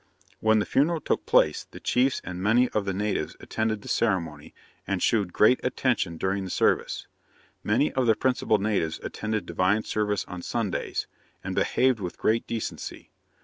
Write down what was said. _ When the funeral took place, the chiefs and many of the natives attended the ceremony, and shewed great attention during the service. Many of the principal natives attended divine service on Sundays, and behaved with great decency.